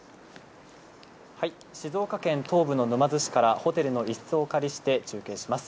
静岡県東部の沼津市から、ホテルの一室をお借りして中継します。